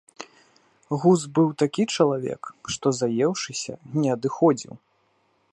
Гуз быў такі чалавек, што, заеўшыся, не адыходзіў.